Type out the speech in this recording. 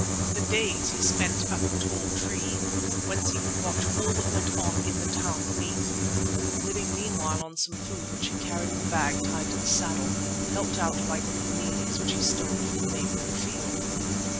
The days he spent up a tall tree, whence he could watch all that went on in the town beneath, living meanwhile on some food which he carried in a bag tied to the saddle, helped out by green mealies which he stole from a neighbouring field.